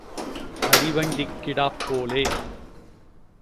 அடிவண்டிக் கிடாப் போலே.